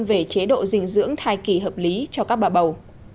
về chế độ dinh dưỡng thai kỳ hợp lý cho các bà bầu